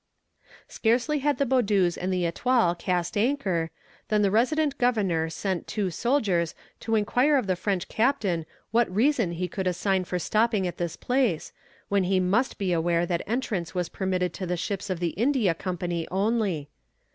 Scarcely had the Boudeuse and the Etoile cast anchor, than the resident governor sent two soldiers to inquire of the French captain what reason he could assign for stopping at this place, when he must be aware that entrance was permitted to the ships of the India Company only.